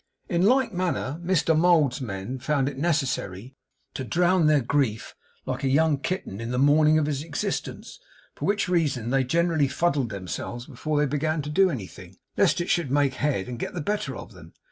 In like manner, Mr Mould's men found it necessary to drown their grief, like a young kitten in the morning of its existence, for which reason they generally fuddled themselves before they began to do anything, lest it should make head and get the better of them.